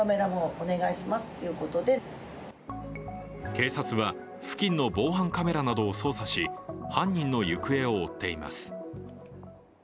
警察は付近の防犯カメラなどを捜査し、犯人の行方を追っています。